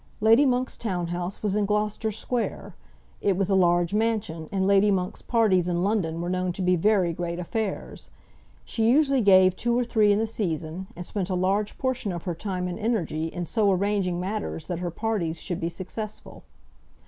Lady Monk's town house was in Gloucester Square. It was a large mansion, and Lady Monk's parties in London were known to be very great affairs. She usually gave two or three in the season, and spent a large portion of her time and energy in so arranging matters that her parties should be successful.